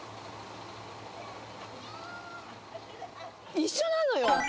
「一緒なのよ」